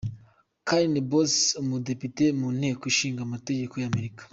Karen Bass umudepite mu Nteko Nshinga mategeko y’America